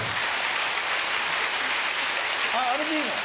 あれでいいの？